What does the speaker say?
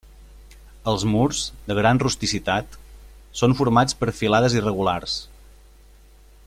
Els murs, de gran rusticitat, són formats per filades irregulars.